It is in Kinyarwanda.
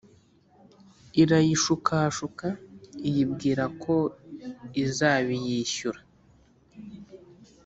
irayishukashuka, iyibwira ko izabiyishyura